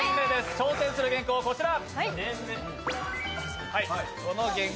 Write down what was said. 挑戦する原稿はこちら。